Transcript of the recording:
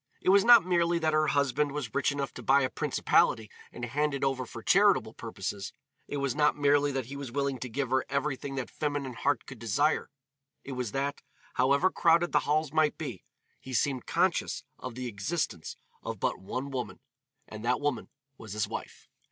It was not merely that her husband was rich enough to buy a principality and hand it over for charitable purposes, it was not merely that he was willing to give her everything that feminine heart could desire, it was that, however crowded the halls might be, he seemed conscious of the existence of but one woman, and that woman was his wife.